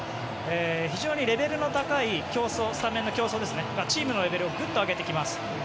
非常にレベルの高い競争スタメンの競争がチームのレベルをグッと上げてきます。